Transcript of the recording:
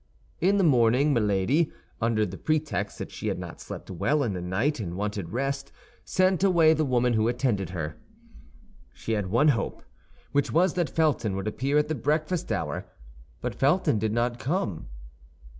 In the morning Milady, under the pretext that she had not slept well in the night and wanted rest, sent away the woman who attended her. She had one hope, which was that Felton would appear at the breakfast hour; but Felton did not come.